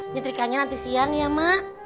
nyetrikanya nanti siang ya mak